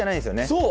そう。